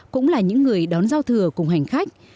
cũng là những người đón giao thừa cùng hành khách